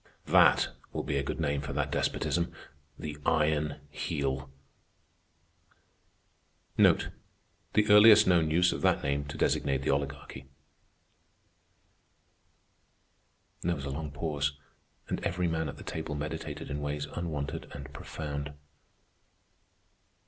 That will be a good name for that despotism, the Iron Heel." The earliest known use of that name to designate the Oligarchy. There was a long pause, and every man at the table meditated in ways unwonted and profound.